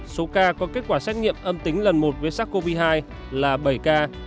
số ca có kết quả xét nghiệm âm tính lần một với sars cov hai là bảy ca